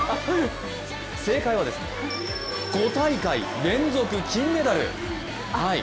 正解は、５大会連続金メダル。